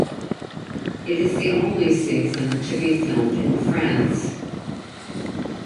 It is the only season to be filmed in France.